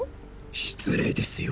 失礼ですよ